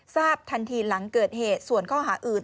ทราบทันทีหลังเกิดเหตุส่วนข้อหาอื่น